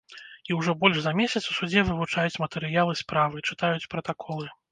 І ўжо больш за месяц у судзе вывучаюць матэрыялы справы, чытаюць пратаколы.